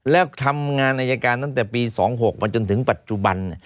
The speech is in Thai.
และทำงานอัยการณ์ปี๒๖จนถึงปัจจุบัน